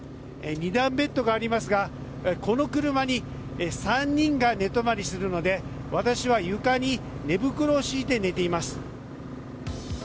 ２段ベッドがありますがこの車に３人が寝泊まりするので私は床に寝袋を敷いて寝ています。